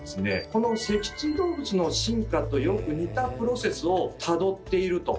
この脊椎動物の進化とよく似たプロセスをたどっていると。